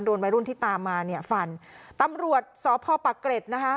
วัยรุ่นที่ตามมาเนี่ยฟันตำรวจสพปะเกร็ดนะคะ